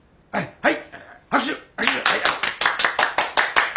はい。